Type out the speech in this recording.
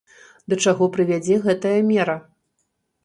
Да чаго прывядзе гэтая мера?